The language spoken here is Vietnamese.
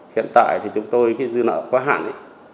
hiện tại thì chúng tôi cái dư nợ quá hạn